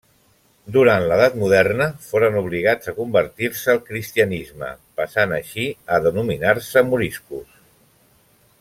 Durant l'edat moderna, foren obligats a convertir-se al cristianisme, passant així a denominar-se moriscos.